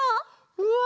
うわ！